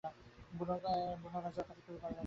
বুনো রাজা বড় খাতির করে রাখলে, মেয়ে বে দিলে।